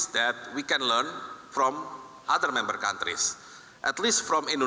tapi apa yang kita lakukan sekarang